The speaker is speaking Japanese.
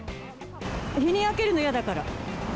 日に焼けるの嫌だから。